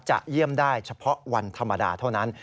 เยี่ยมได้เฉพาะวันธรรมดาเท่านั้น